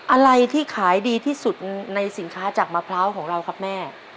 อะไรที่ขายดีที่สุดในสินค้าจากมะพร้าวของเราครับแม่